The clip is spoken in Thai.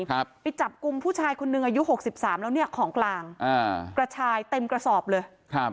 ครับไปจับกลุ่มผู้ชายคนหนึ่งอายุหกสิบสามแล้วเนี้ยของกลางอ่ากระชายเต็มกระสอบเลยครับ